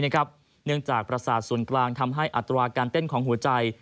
เนื่องจากประสาทศูนย์กลางทำให้อัตราการเต้นของหัวใจ